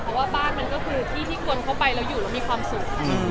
เพราะว่าบ้านมันก็คือที่ที่คนเข้าไปแล้วอยู่แล้วมีความสุข